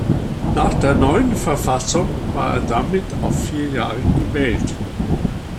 Nach der neuen Verfassung war er damit auf vier Jahre gewählt.